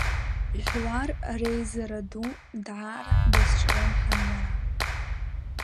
Жәлар реизара ду даара дазҿлымҳан иара.